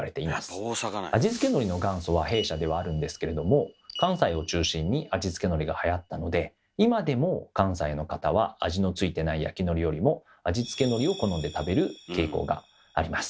味付けのりの元祖は弊社ではあるんですけれども関西を中心に味付けのりがはやったので今でも関西の方は味の付いてない焼きのりよりも味付けのりを好んで食べる傾向があります。